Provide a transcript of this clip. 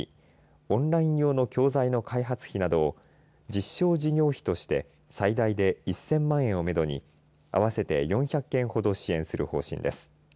オンライン用の教材の開発費などを実証事業費として最大で１０００万円をめどに合わせて４００件ほど支援する方針です。